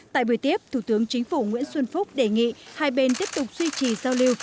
tại buổi tiếp thủ tướng chính phủ nguyễn xuân phúc đề nghị hai bên tiếp tục duy trì giao lưu